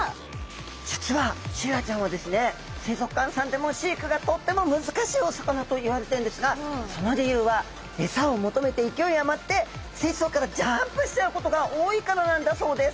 実はシイラちゃんはですね水族館さんでも飼育がとっても難しいお魚といわれてるんですがその理由は餌を求めて勢い余って水槽からジャンプしちゃうことが多いからなんだそうです！